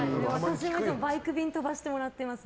私もいつもバイク便飛ばしてもらってます。